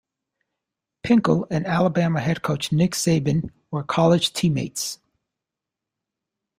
Pinkel and Alabama head coach Nick Saban were college teammates.